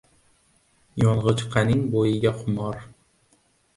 Yo‘ng‘ichqaning bo‘yiga xumor